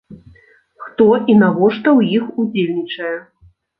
Хто і навошта ў іх удзельнічае?